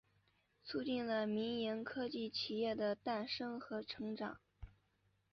促进了民营科技企业的诞生和成长。